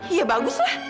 iya bagus lah